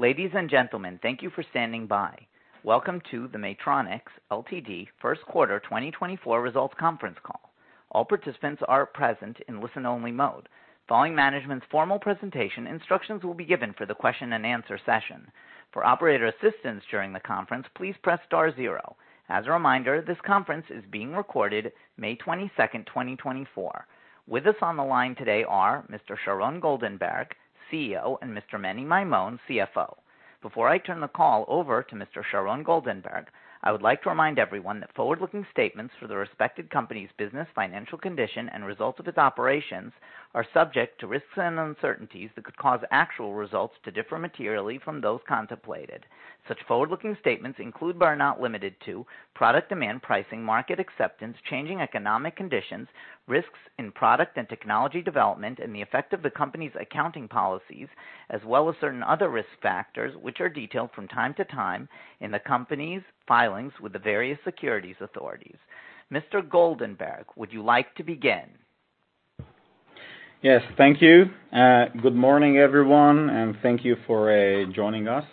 Ladies and gentlemen, thank you for standing by. Welcome to the Maytronics Ltd First Quarter 2024 Results Conference Call. All participants are present in listen-only mode. Following management's formal presentation, instructions will be given for the question and answer session. For operator assistance during the conference, please press star zero. As a reminder, this conference is being recorded, 22 May 2024. With us on the line today are Mr. Sharon Goldenberg, CEO, and Mr. Menahem Maymon, CFO. Before I turn the call over to Mr. Sharon Goldenberg, I would like to remind everyone that forward-looking statements for the respective company's business, financial condition, and results of its operations are subject to risks and uncertainties that could cause actual results to differ materially from those contemplated. Such forward-looking statements include, but are not limited to, product demand, pricing, market acceptance, changing economic conditions, risks in product and technology development, and the effect of the company's accounting policies, as well as certain other risk factors, which are detailed from time to time in the company's filings with the various securities authorities. Mr. Goldenberg, would you like to begin? Yes, thank you. Good morning, everyone, and thank you for joining us.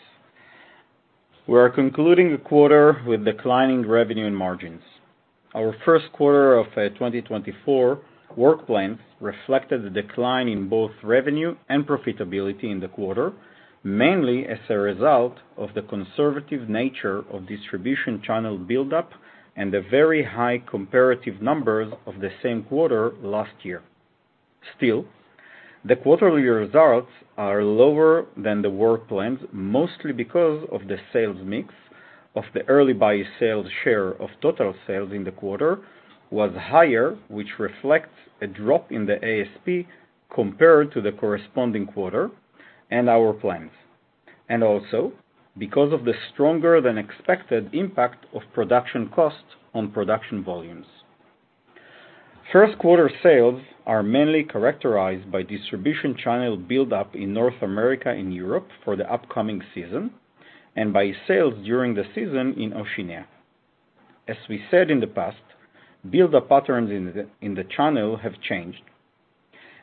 We are concluding the quarter with declining revenue and margins. Our first quarter of 2024 work plans reflected the decline in both revenue and profitability in the quarter, mainly as a result of the conservative nature of distribution channel buildup and the very high comparative numbers of the same quarter last year. Still, the quarterly results are lower than the work plans, mostly because of the sales mix of the early buy sales share of total sales in the quarter was higher, which reflects a drop in the ASP compared to the corresponding quarter and our plans, and also because of the stronger-than-expected impact of production costs on production volumes. First quarter sales are mainly characterized by distribution channel buildup in North America and Europe for the upcoming season and by sales during the season in Oceania. As we said in the past, buildup patterns in the channel have changed,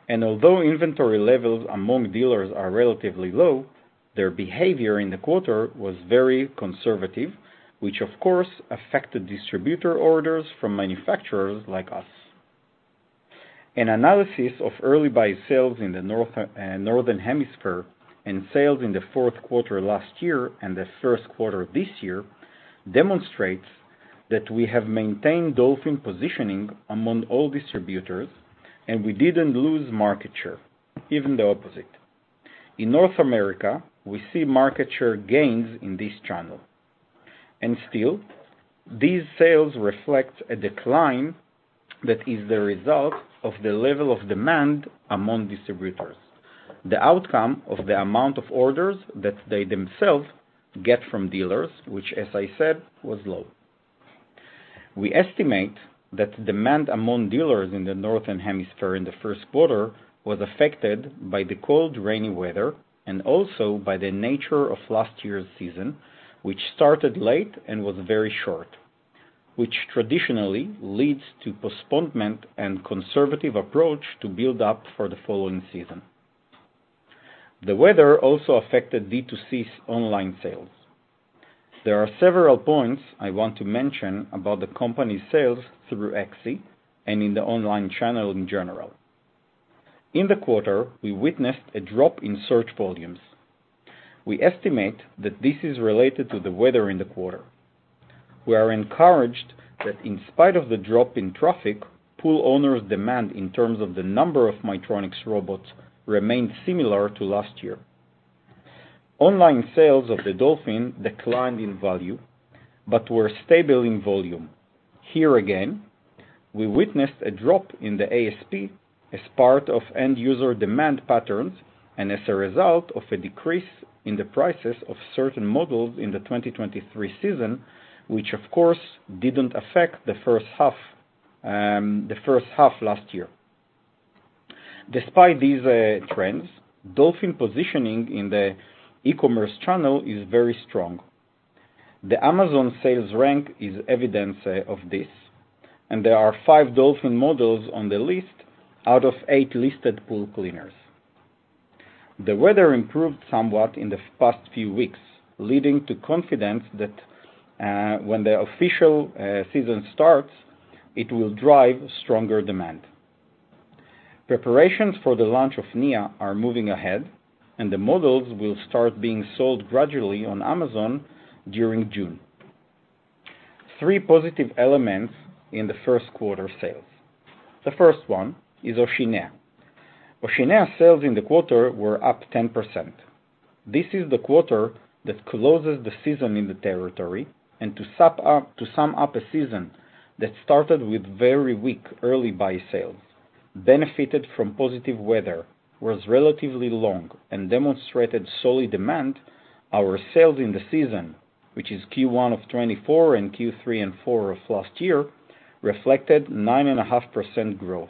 and although inventory levels among dealers are relatively low, their behavior in the quarter was very conservative, which, of course, affected distributor orders from manufacturers like us. An analysis of early buy sales in the Northern Hemisphere, and sales in the fourth quarter last year and the first quarter this year, demonstrates that we have maintained Dolphin positioning among all distributors, and we didn't lose market share, even the opposite. In North America, we see market share gains in this channel. And still, these sales reflect a decline that is the result of the level of demand among distributors, the outcome of the amount of orders that they themselves get from dealers, which, as I said, was low. We estimate that demand among dealers in the Northern Hemisphere in the first quarter was affected by the cold, rainy weather and also by the nature of last year's season, which started late and was very short, which traditionally leads to postponement and conservative approach to build up for the following season. The weather also affected D2C's online sales. There are several points I want to mention about the company's sales through PPS and in the online channel in general. In the quarter, we witnessed a drop in search volumes. We estimate that this is related to the weather in the quarter. We are encouraged that in spite of the drop in traffic, pool owners' demand, in terms of the number of Maytronics robots, remained similar to last year. Online sales of the Dolphin declined in value but were stable in volume. Here, again, we witnessed a drop in the ASP as part of end-user demand patterns and as a result of a decrease in the prices of certain models in the 2023 season, which, of course, didn't affect the first half, the first half last year. Despite these trends, Dolphin positioning in the e-commerce channel is very strong. The Amazon sales rank is evidence of this, and there are five Dolphin models on the list out of eight listed pool cleaners. The weather improved somewhat in the past few weeks, leading to confidence that, when the official season starts, it will drive stronger demand. Preparations for the launch of Nia are moving ahead, and the models will start being sold gradually on Amazon during June. Three positive elements in the first quarter sales. The first one is Oceania. Oceania sales in the quarter were up 10%. This is the quarter that closes the season in the territory, and to sum up a season that started with very weak early buy sales, benefited from positive weather, was relatively long, and demonstrated solid demand, our sales in the season, which is Q1 of 2024 and Q3 and Q4 of last year, reflected 9.5% growth.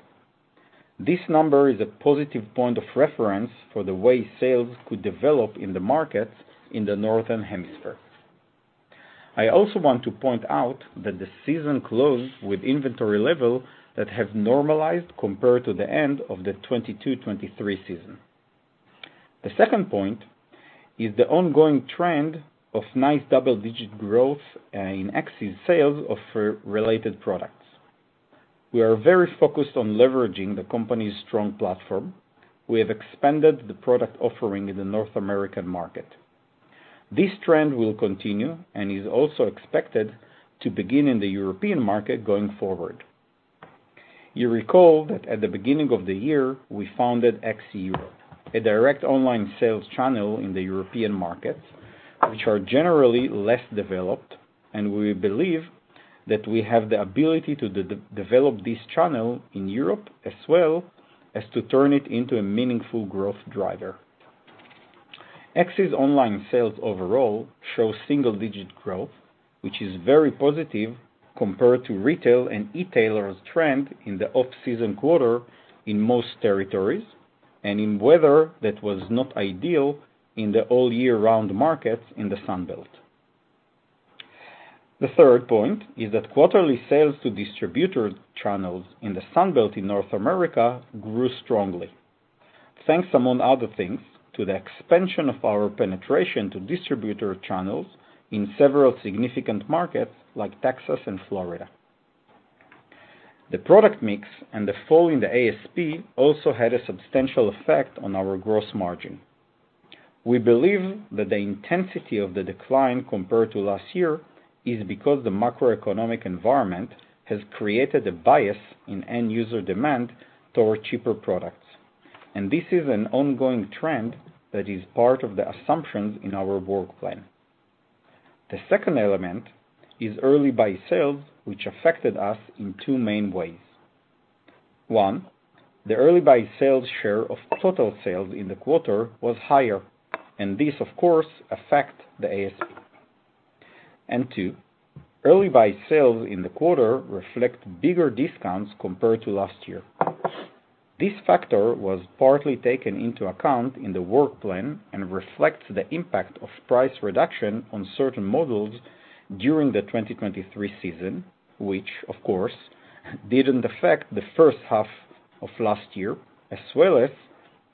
This number is a positive point of reference for the way sales could develop in the markets in the Northern Hemisphere. I also want to point out that the season closed with inventory levels that have normalized compared to the end of the 2022-2023 season. The second point is the ongoing trend of nice double-digit growth in PPS sales of pool-related products. We are very focused on leveraging the company's strong platform. We have expanded the product offering in the North American market. This trend will continue and is also expected to begin in the European market going forward. You recall that at the beginning of the year, we founded PPS Europe, a direct online sales channel in the European markets, which are generally less developed, and we believe that we have the ability to develop this channel in Europe, as well as to turn it into a meaningful growth driver. PPS's online sales overall show single-digit growth, which is very positive compared to retail and e-tailer's trend in the off-season quarter in most territories, and in weather that was not ideal in the all-year-round markets in the Sun Belt. The third point is that quarterly sales to distributor channels in the Sun Belt in North America grew strongly, thanks, among other things, to the expansion of our penetration to distributor channels in several significant markets like Texas and Florida. The product mix and the fall in the ASP also had a substantial effect on our gross margin. We believe that the intensity of the decline compared to last year is because the macroeconomic environment has created a bias in end user demand toward cheaper products, and this is an ongoing trend that is part of the assumptions in our work plan. The second element is early buy sales, which affected us in two main ways. One, the early buy sales share of total sales in the quarter was higher, and this, of course, affect the ASP. And two, early buy sales in the quarter reflect bigger discounts compared to last year. This factor was partly taken into account in the work plan and reflects the impact of price reduction on certain models during the 2023 season, which, of course, didn't affect the first half of last year, as well as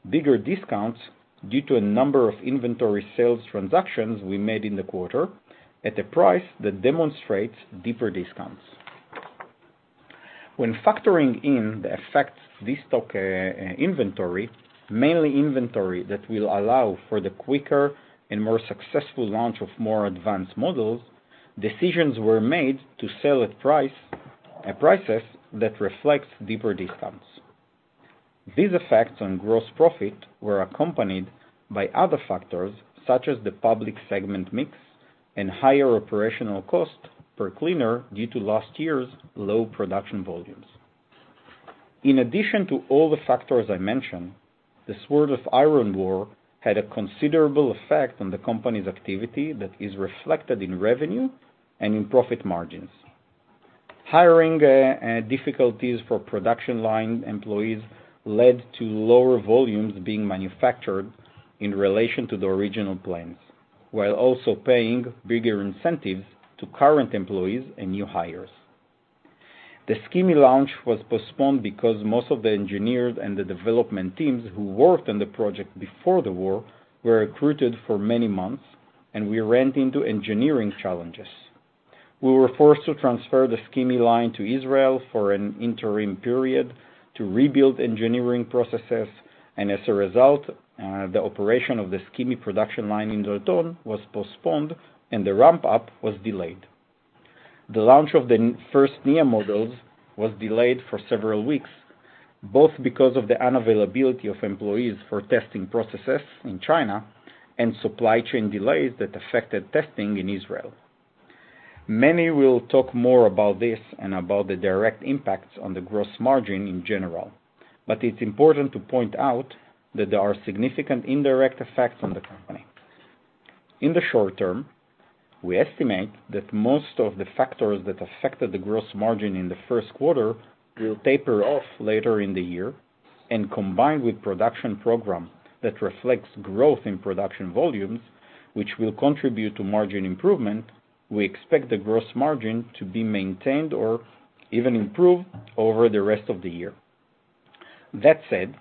bigger discounts due to a number of inventory sales transactions we made in the quarter at a price that demonstrates deeper discounts. When factoring in the effects of this stock, inventory, mainly inventory that will allow for the quicker and more successful launch of more advanced models, decisions were made to sell at prices that reflects deeper discounts. These effects on gross profit were accompanied by other factors, such as the product segment mix and higher operational cost per cleaner due to last year's low production volumes. In addition to all the factors I mentioned, the Iron Swords War had a considerable effect on the company's activity that is reflected in revenue and in profit margins. Hiring difficulties for production line employees led to lower volumes being manufactured in relation to the original plans, while also paying bigger incentives to current employees and new hires. The Skimmi launch was postponed because most of the engineers and the development teams who worked on the project before the war were recruited for many months, and we ran into engineering challenges. We were forced to transfer the Skimmi line to Israel for an interim period to rebuild engineering processes, and as a result, the operation of the Skimmi production line in Dalton was postponed and the ramp-up was delayed. The launch of the first Nia models was delayed for several weeks, both because of the unavailability of employees for testing processes in China and supply chain delays that affected testing in Israel. Many will talk more about this and about the direct impacts on the gross margin in general, but it's important to point out that there are significant indirect effects on the company. In the short term, we estimate that most of the factors that affected the gross margin in the first quarter will taper off later in the year, and combined with production program that reflects growth in production volumes, which will contribute to margin improvement, we expect the gross margin to be maintained or even improved over the rest of the year. That said,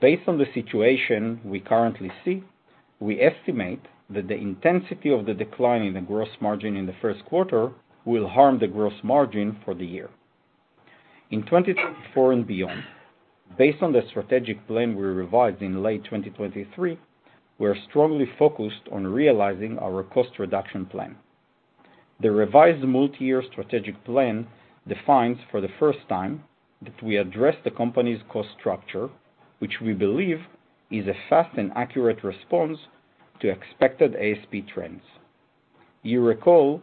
based on the situation we currently see, we estimate that the intensity of the decline in the gross margin in the first quarter will harm the gross margin for the year. In 2024 and beyond, based on the strategic plan we revised in late 2023, we are strongly focused on realizing our cost reduction plan. The revised multi-year strategic plan defines, for the first time, that we address the company's cost structure, which we believe is a fast and accurate response to expected ASP trends. You recall,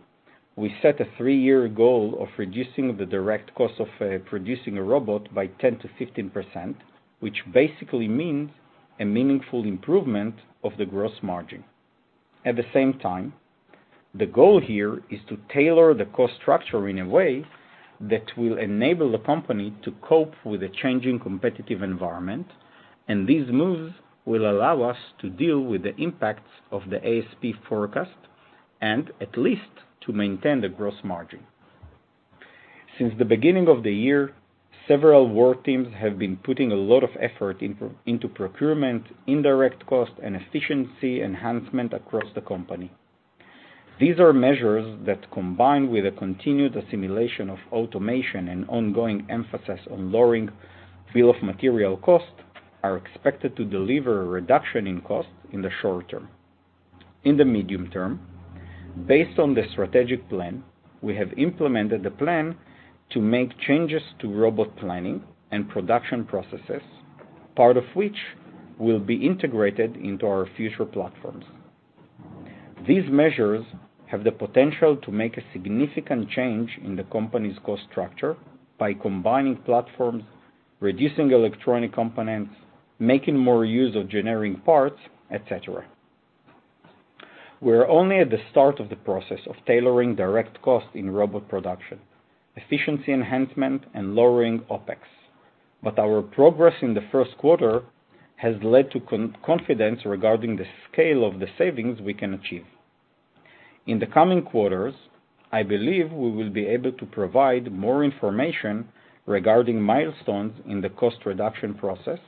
we set a three-year goal of reducing the direct cost of producing a robot by 10%-15%, which basically means a meaningful improvement of the gross margin. At the same time, the goal here is to tailor the cost structure in a way that will enable the company to cope with the changing competitive environment, and these moves will allow us to deal with the impacts of the ASP forecast, and at least to maintain the gross margin. Since the beginning of the year, several work teams have been putting a lot of effort into procurement, indirect cost, and efficiency enhancement across the company. These are measures that, combined with a continued assimilation of automation and ongoing emphasis on lowering bill of material costs, are expected to deliver a reduction in costs in the short term. In the medium term, based on the strategic plan, we have implemented the plan to make changes to robot planning and production processes, part of which will be integrated into our future platforms. These measures have the potential to make a significant change in the company's cost structure by combining platforms, reducing electronic components, making more use of generic parts, et cetera. We are only at the start of the process of tailoring direct costs in robot production, efficiency enhancement, and lowering OpEx, but our progress in the first quarter has led to confidence regarding the scale of the savings we can achieve. In the coming quarters, I believe we will be able to provide more information regarding milestones in the cost reduction process,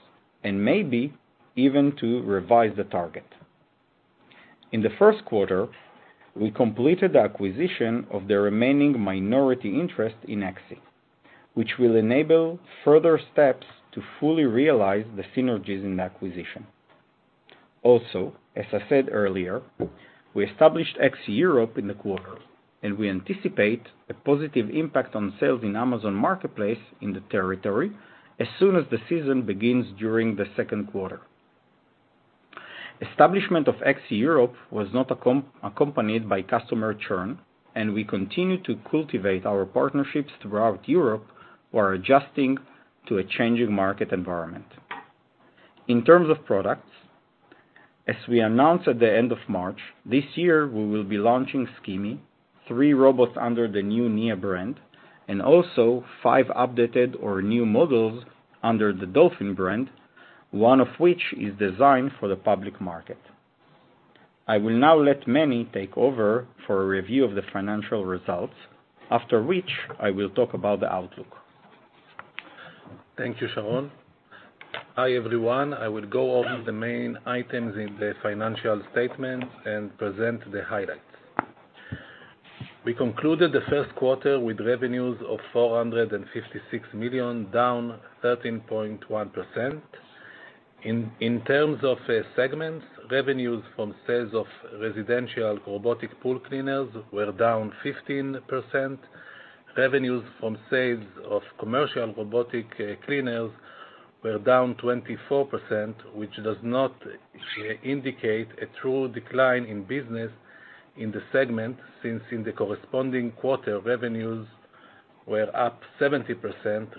and maybe even to revise the target. In the first quarter, we completed the acquisition of the remaining minority interest in PPS, which will enable further steps to fully realize the synergies in the acquisition. Also, as I said earlier, we established PPS Europe in the quarter, and we anticipate a positive impact on sales in Amazon Marketplace in the territory as soon as the season begins during the second quarter. Establishment of PPS Europe was not accompanied by customer churn, and we continue to cultivate our partnerships throughout Europe, who are adjusting to a changing market environment. In terms of products, as we announced at the end of March, this year, we will be launching Skimmi, three robots under the new Nia brand, and also five updated or new models under the Dolphin brand, one of which is designed for the public market. I will now let Manny take over for a review of the financial results, after which I will talk about the outlook. Thank you, Sharon. Hi, everyone. I will go over the main items in the financial statement and present the highlights. We concluded the first quarter with revenues of 456 million, down 13.1%. In terms of segments, revenues from sales of residential robotic pool cleaners were down 15%. Revenues from sales of commercial robotic cleaners were down 24%, which does not indicate a true decline in business in the segment, since in the corresponding quarter, revenues were up 70%,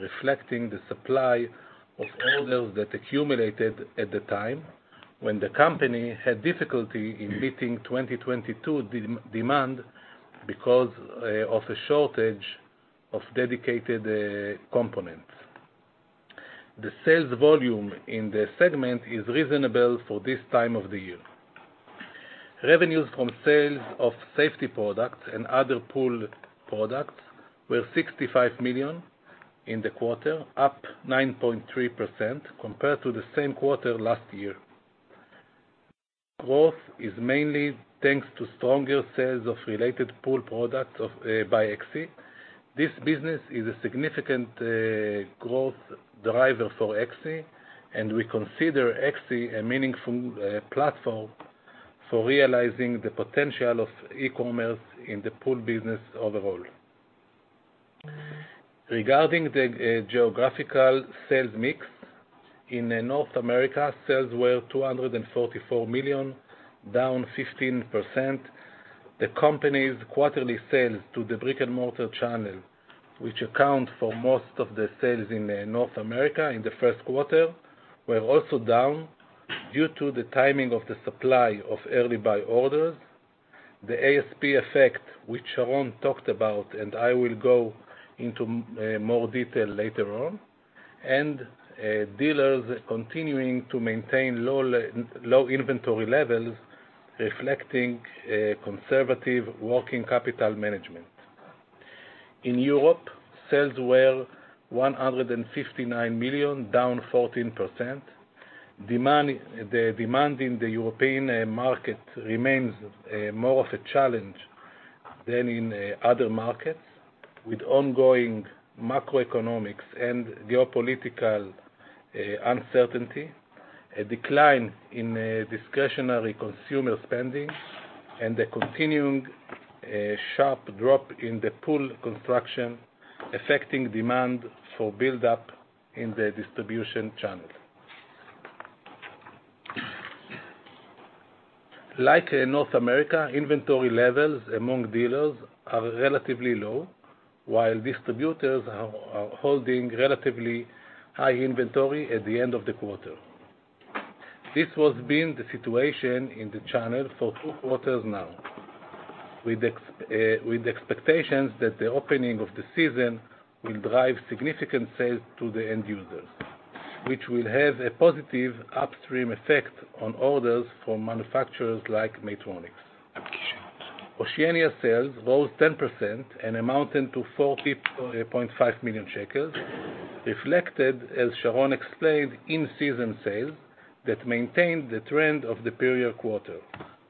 reflecting the supply of orders that accumulated at the time when the company had difficulty in meeting 2022 demand because of a shortage of dedicated components. The sales volume in the segment is reasonable for this time of the year. Revenues from sales of safety products and other pool products were 65 million in the quarter, up 9.3% compared to the same quarter last year. Growth is mainly thanks to stronger sales of related pool products of, by PPS. This business is a significant growth driver for PPS, and we consider PPS a meaningful platform for realizing the potential of e-commerce in the pool business overall. Regarding the geographical sales mix, in North America, sales were 244 million, down 15%. The company's quarterly sales to the brick-and-mortar channel, which account for most of the sales in North America in the first quarter, were also down due to the timing of the supply of early buy orders, the ASP effect, which Sharon talked about, and I will go into, more detail later on, and, dealers continuing to maintain low inventory levels, reflecting, conservative working capital management. In Europe, sales were 159 million, down 14%. The demand in the European market remains more of a challenge than in other markets, with ongoing macroeconomic and geopolitical uncertainty, a decline in discretionary consumer spending, and the continuing sharp drop in the pool construction, affecting demand for build-up in the distribution channel. Like in North America, inventory levels among dealers are relatively low, while distributors are holding relatively high inventory at the end of the quarter. This was been the situation in the channel for two quarters now with the expectations that the opening of the season will drive significant sales to the end users, which will have a positive upstream effect on orders from manufacturers like Maytronics. Oceania sales rose 10% and amounted to 4.5 million shekels, reflected, as Sharon explained, in-season sales that maintained the trend of the prior quarter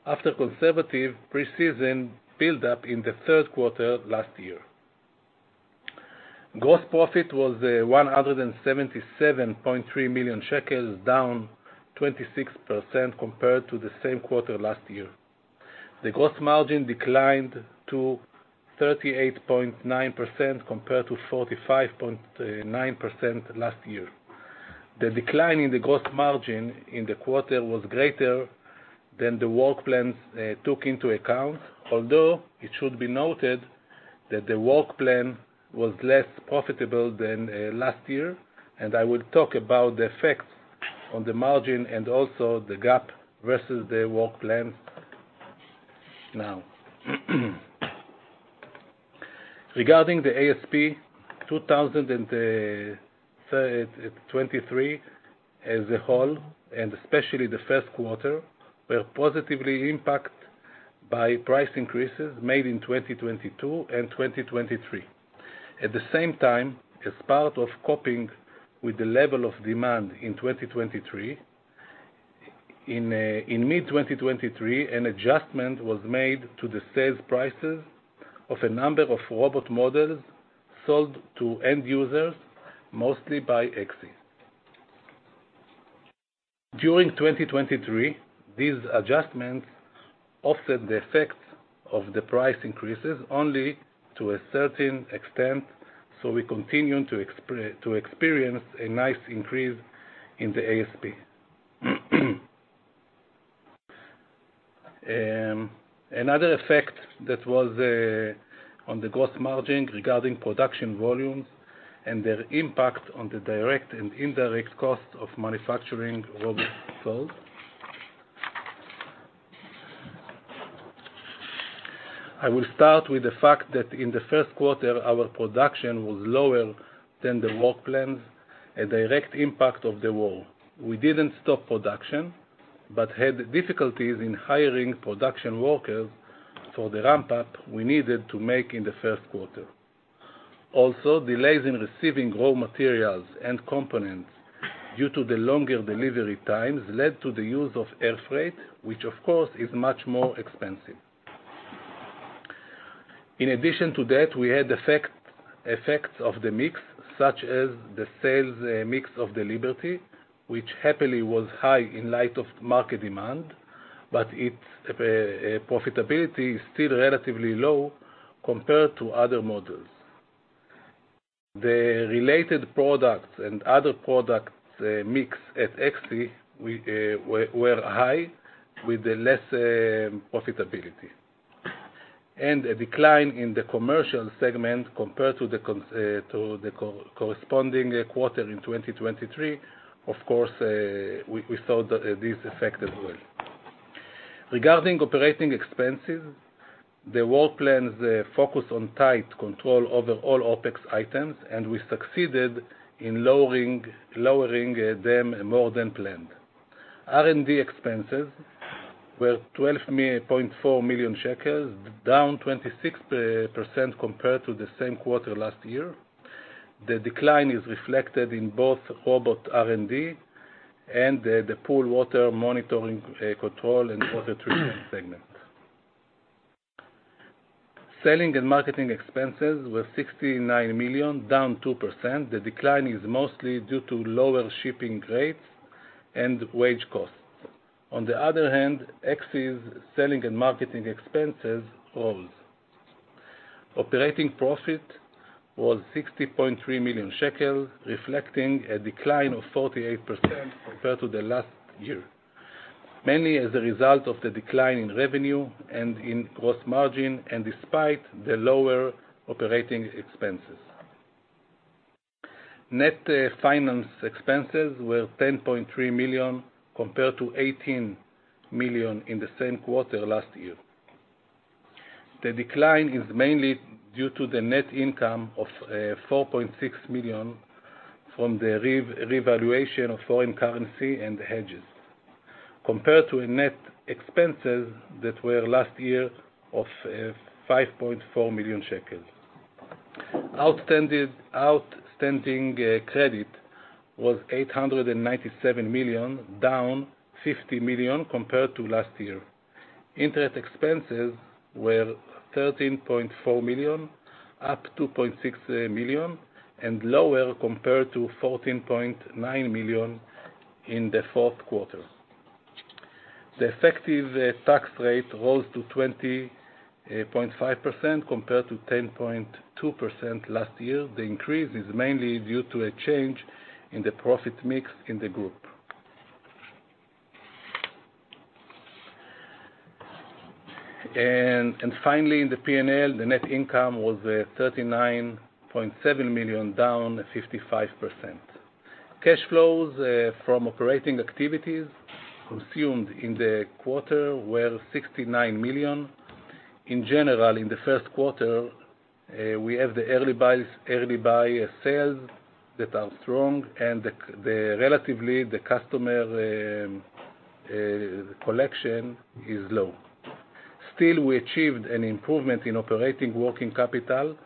after conservative pre-season build-up in the third quarter last year. Gross profit was one hundred and seventy-seven point three million shekels, down 26% compared to the same quarter last year. The gross margin declined to 38.9%, compared to 45.9% last year. The decline in the gross margin in the quarter was greater than the work plans took into account, although it should be noted that the work plan was less profitable than last year, and I will talk about the effect on the margin and also the gap versus the work plan now. Regarding the ASP, 2023 as a whole, and especially the first quarter, were positively impacted by price increases made in 2022 and 2023. At the same time, as part of coping with the level of demand in 2023, in mid-2023, an adjustment was made to the sales prices of a number of robot models sold to end users, mostly by PPS. During 2023, these adjustments offset the effects of the price increases only to a certain extent, so we continued to experience a nice increase in the ASP. Another effect that was on the gross margin regarding production volumes and their impact on the direct and indirect costs of manufacturing robot sales. I will start with the fact that in the first quarter, our production was lower than the work plans, a direct impact of the war. We didn't stop production, but had difficulties in hiring production workers for the ramp-up we needed to make in the first quarter. Also, delays in receiving raw materials and components due to the longer delivery times led to the use of air freight, which of course is much more expensive. In addition to that, we had effects of the mix, such as the sales mix of the Liberty, which happily was high in light of market demand, but its profitability is still relatively low compared to other models. The related products and other products mix at PPS were high with the less profitability. And a decline in the commercial segment compared to the corresponding quarter in 2023, of course, we saw this effect as well. Regarding operating expenses, the work plans focus on tight control over all OpEx items, and we succeeded in lowering them more than planned. R&D expenses were 12.4 million shekels, down 26% compared to the same quarter last year. The decline is reflected in both robot R&D and the pool water monitoring, control and water treatment segment. Selling and marketing expenses were 69 million, down 2%. The decline is mostly due to lower shipping rates and wage costs. On the other hand, PPS's selling and marketing expenses rose. Operating profit was 60.3 million shekels, reflecting a decline of 48% compared to the last year, mainly as a result of the decline in revenue and in gross margin, and despite the lower operating expenses. Net finance expenses were 10.3 million, compared to 18 million in the same quarter last year. The decline is mainly due to the net income of 4.6 million from the revaluation of foreign currency and hedges, compared to a net expenses that were last year of 5.4 million shekels. Outstanding, outstanding, credit was 897 million, down 50 million compared to last year. Interest expenses were 13.4 million, up 2.6 million, and lower compared to 14.9 million in the fourth quarter. The effective tax rate rose to 20.5% compared to 10.2% last year. The increase is mainly due to a change in the profit mix in the group. And finally, in the P&L, the net income was 39.7 million, down 55%.... Cash flows from operating activities consumed in the quarter were 69 million. In general, in the first quarter, we have the early buys, early buy sales that are strong, and the relatively, the customer collection is low. Still, we achieved an improvement in operating working capital,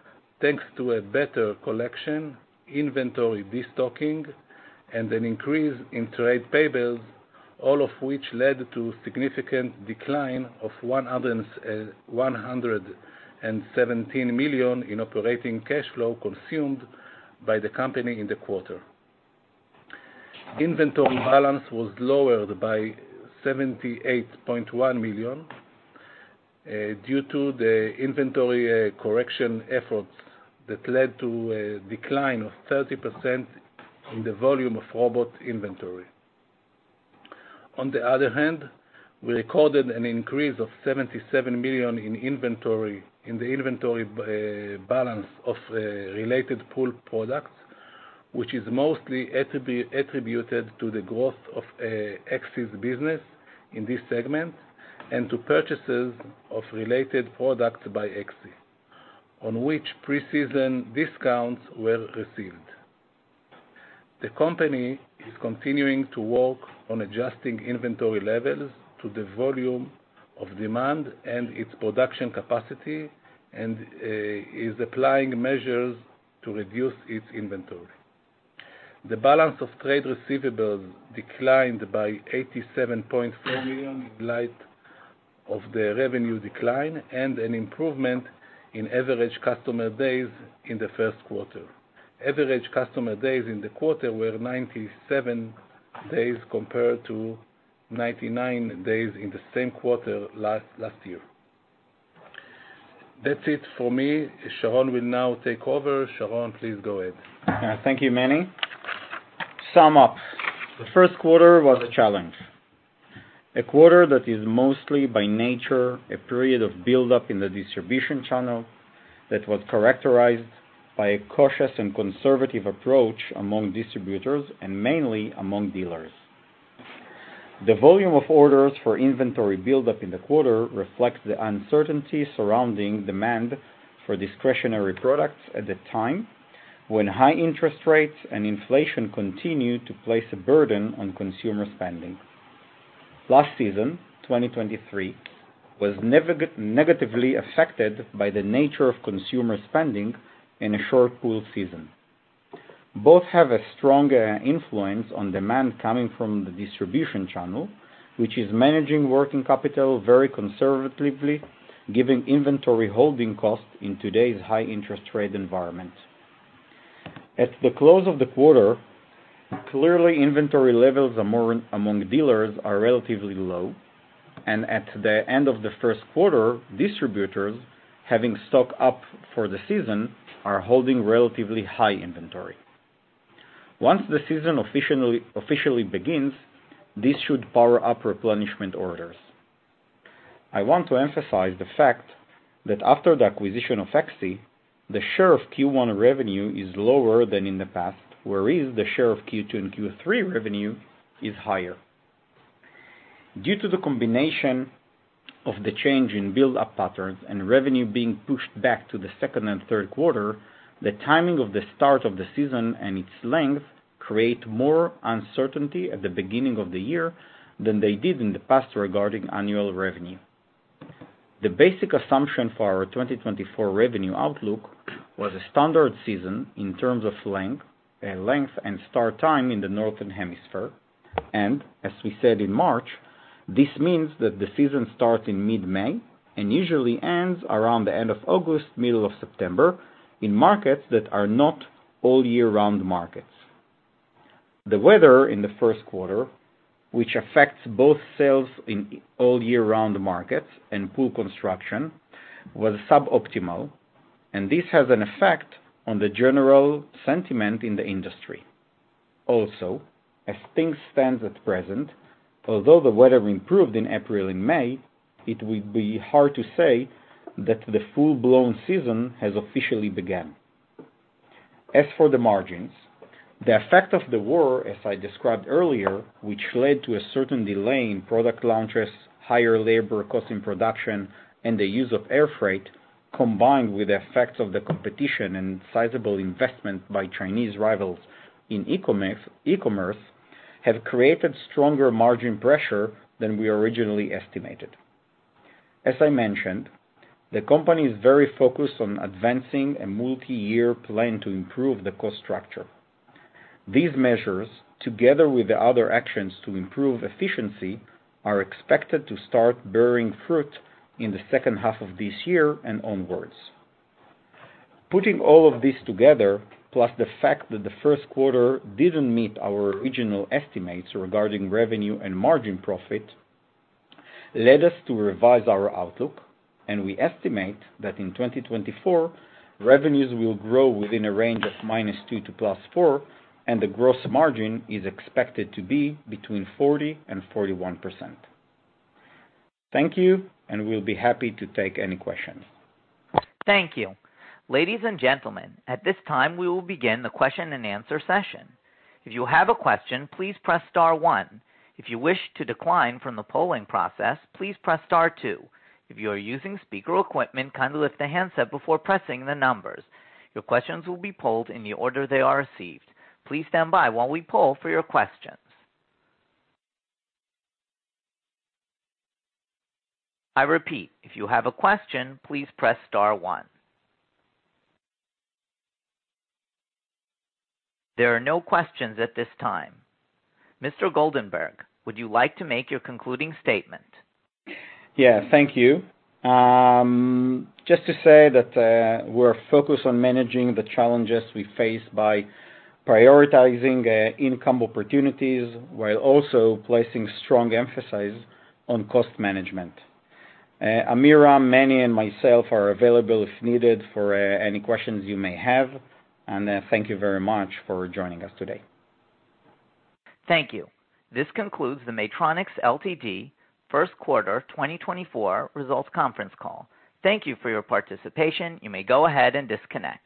thanks to a better collection, inventory de-stocking, and an increase in trade payables, all of which led to significant decline of 117 million in operating cash flow consumed by the company in the quarter. Inventory balance was lowered by 78.1 million due to the inventory correction efforts that led to a decline of 30% in the volume of robot inventory. On the other hand, we recorded an increase of 77 million in inventory, in the inventory balance of related pool products, which is mostly attributed to the growth of PPS business in this segment, and to purchases of related products by PPS, on which pre-season discounts were received. The company is continuing to work on adjusting inventory levels to the volume of demand and its production capacity, and is applying measures to reduce its inventory. The balance of trade receivables declined by 87.4 million, in light of the revenue decline and an improvement in average customer days in the first quarter. Average customer days in the quarter were 97 days, compared to 99 days in the same quarter last year. That's it for me. Sharon will now take over. Sharon, please go ahead. Thank you, Manny. Sum up, the first quarter was a challenge. A quarter that is mostly by nature a period of buildup in the distribution channel that was characterized by a cautious and conservative approach among distributors, and mainly among dealers. The volume of orders for inventory buildup in the quarter reflects the uncertainty surrounding demand for discretionary products at the time, when high interest rates and inflation continue to place a burden on consumer spending. Last season, 2023, was negatively affected by the nature of consumer spending in a short pool season. Both have a strong influence on demand coming from the distribution channel, which is managing working capital very conservatively, given inventory holding costs in today's high interest rate environment. At the close of the quarter, clearly, inventory levels among dealers are relatively low, and at the end of the first quarter, distributors, having stock up for the season, are holding relatively high inventory. Once the season officially begins, this should power up replenishment orders. I want to emphasize the fact that after the acquisition of PPS, the share of Q1 revenue is lower than in the past, whereas the share of Q2 and Q3 revenue is higher. Due to the combination of the change in buildup patterns and revenue being pushed back to the second and third quarter, the timing of the start of the season and its length create more uncertainty at the beginning of the year than they did in the past regarding annual revenue. The basic assumption for our 2024 revenue outlook was a standard season in terms of length, length and start time in the northern hemisphere, and as we said in March, this means that the season starts in mid-May, and usually ends around the end of August, middle of September, in markets that are not all year-round markets. The weather in the first quarter, which affects both sales in all year-round markets and pool construction, was suboptimal, and this has an effect on the general sentiment in the industry. Also, as things stand at present, although the weather improved in April and May, it will be hard to say that the full-blown season has officially begun. As for the margins, the effect of the war, as I described earlier, which led to a certain delay in product launches, higher labor cost in production, and the use of air freight, combined with the effects of the competition and sizable investment by Chinese rivals in e-commerce, have created stronger margin pressure than we originally estimated. As I mentioned, the company is very focused on advancing a multi-year plan to improve the cost structure. These measures, together with the other actions to improve efficiency, are expected to start bearing fruit in the second half of this year and onwards. Putting all of this together, plus the fact that the first quarter didn't meet our original estimates regarding revenue and margin profit, led us to revise our outlook, and we estimate that in 2024, revenues will grow within a range of -2% to +4%, and the gross margin is expected to be between 40% and 41%. Thank you, and we'll be happy to take any questions. Thank you. Ladies and gentlemen, at this time, we will begin the question and answer session. If you have a question, please press star one. If you wish to decline from the polling process, please press star two. If you are using speaker equipment, kindly lift the handset before pressing the numbers. Your questions will be polled in the order they are received. Please stand by while we poll for your questions. I repeat, if you have a question, please press star one. There are no questions at this time. Mr. Goldenberg, would you like to make your concluding statement? Yeah, thank you. Just to say that, we're focused on managing the challenges we face by prioritizing income opportunities, while also placing strong emphasis on cost management. Amira, Manny, and myself are available, if needed, for any questions you may have, and thank you very much for joining us today. Thank you. This concludes the Maytronics Ltd. first quarter 2024 results conference call. Thank you for your participation. You may go ahead and disconnect.